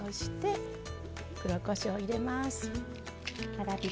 黒こしょう入れます。